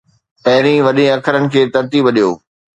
پهرين وڏي اکرن کي ترتيب ڏيو